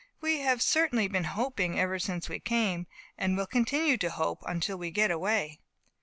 "We have certainly been hoping ever since we came, and will continue to hope until we get away."